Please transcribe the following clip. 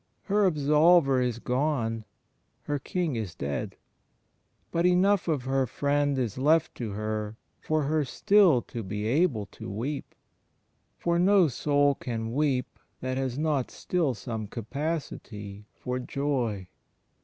Her Absolver is CHRIST IN HIS HISTORICAL LIFE l6l gone, her King is dead; but enough of her Friend is left to her for her still to be able to weep ; for no soul can weep that has not still some capacity for joy.